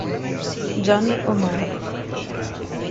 Jonny O'Mara